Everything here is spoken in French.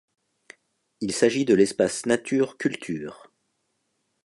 Il s'agit de l'Espace Nature Culture.